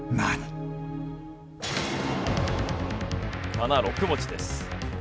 カナ６文字です。